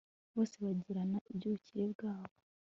bose baganira iby'ubukire bwabo